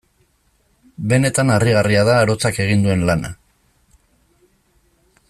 Benetan harrigarria da arotzak egin duen lana.